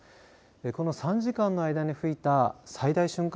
この３時間の間に吹いた最大瞬間